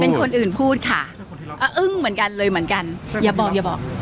เป็นคนอื่นพูดค่ะอึ้งเหมือนกันเลยเหมือนกันอย่าบอกอย่าบอก